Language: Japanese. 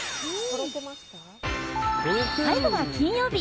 最後は金曜日。